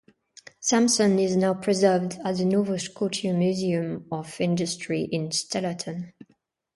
Samson is now preserved at the Nova Scotia Museum of Industry in Stellarton.